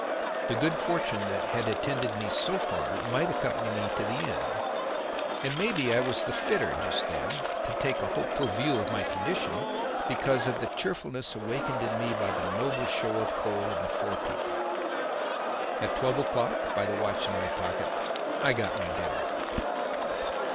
The good fortune that had attended me so far might accompany me to the end, and maybe I was the fitter just then to take a hopeful view of my condition because of the cheerfulness awakened in me by the noble show of coal in the forepeak. At twelve o'clock by the watch in my pocket I got my dinner.